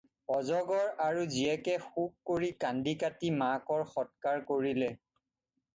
অজগৰ আৰু জীয়েকে শোক কৰি কান্দি-কাটি মাকৰ সৎকাৰ কৰিলে।